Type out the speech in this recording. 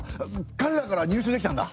かれらから入手できたんだ！